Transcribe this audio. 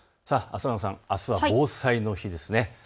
浅野さん、あすは防災の日です。